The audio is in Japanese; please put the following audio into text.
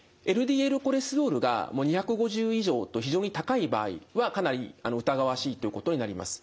ＬＤＬコレステロールがもう２５０以上と非常に高い場合はかなり疑わしいということになります。